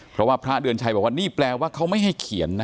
เพราะว่าพระเดือนชัยบอกว่านี่แปลว่าเขาไม่ให้เขียนนะ